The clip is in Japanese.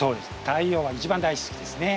太陽は一番大好きですね。